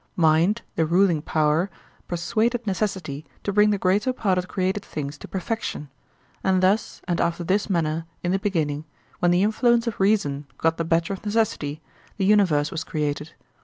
Mind, the ruling power, persuaded necessity to bring the greater part of created things to perfection, and thus and after this manner in the beginning, when the influence of reason got the better of necessity, the universe was created.